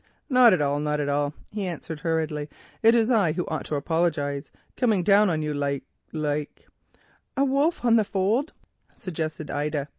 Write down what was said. "Not at all—not at all," he answered hurriedly. "It is I who ought to apologise, coming down on you like—like——" "A wolf on the fold," suggested Ida.